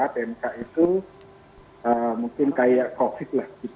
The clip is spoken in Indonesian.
pmk itu mungkin kayak covid lah